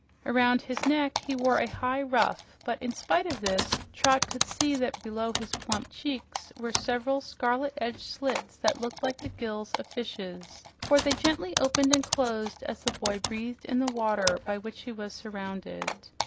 Around his neck he wore a high ruff, but in spite of this Trot could see that below his plump cheeks were several scarlet edged slits that looked like the gills of fishes, for they gently opened and closed as the boy breathed in the water by which he was surrounded.